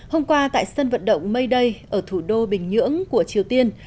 hôm qua tại sân vận động mayday ở thủ đô bình nhưỡng của triều tiên